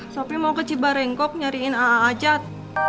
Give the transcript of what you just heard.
sopi mau ke cibarenggok nyariin aajat